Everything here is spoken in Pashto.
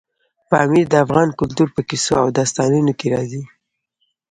پامیر د افغان کلتور په کیسو او داستانونو کې راځي.